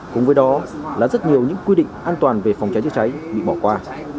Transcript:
cùng với đó là rất nhiều những quy định an toàn về phòng cháy chữa cháy bị bỏ qua